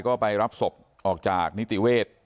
ก็ไปรับศพออกจากนิติเวศ